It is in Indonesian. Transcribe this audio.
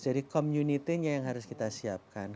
jadi community nya yang harus kita siapkan